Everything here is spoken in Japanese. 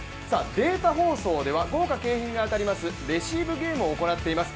データ放送では豪華景品が当たりますレシーブゲームを行っています。